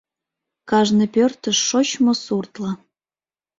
Кажне пӧртыш шочмо суртла